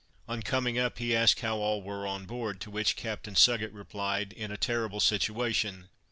On coming up he asked how all were on board, to which Captain Sugget replied, "In a terrible situation.